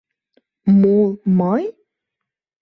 — Мо мый?